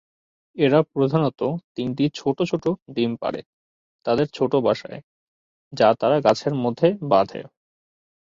এরা প্রধানত তিনটি ছোটো ছোটো ডিম পাড়ে তাদের ছোটো বাসায় যা তারা গাছের মধ্যে বাঁধে।